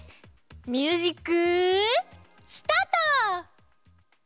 ミュージックスタート！